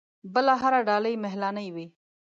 بله هره ډالۍ مهالنۍ وي.